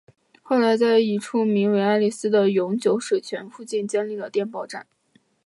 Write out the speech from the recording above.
后来在一处名为爱丽斯的永久水泉附近建立了电报站。